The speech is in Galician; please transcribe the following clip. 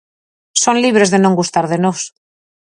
Son libres de non gustar de nós.